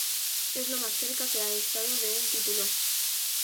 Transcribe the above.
Es lo más cerca que ha estado de un título.